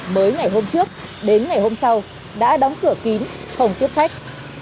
mới ngày hôm trước đến ngày hôm sau đã đóng cửa kín không tiếp khách